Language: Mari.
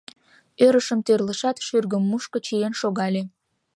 Ӧрышым тӧрлышат, шӱргым мушко, чиен шогале.